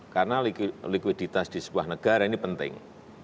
karena likuiditas di sebuah negara ini penting